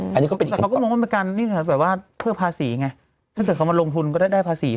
แต่เขาก็มองว่ามันเป็นการเพิ่มภาษีไงถ้าเขามาลงทุนก็ได้ภาษีเพิ่ม